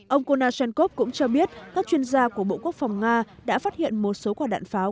ông kunachnkov cũng cho biết các chuyên gia của bộ quốc phòng nga đã phát hiện một số quả đạn pháo